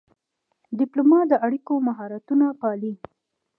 ډيپلومات د اړیکو مهارتونه پالي.